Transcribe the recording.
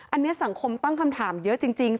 อันนี้สังคมตั้งคำถามเยอะจริง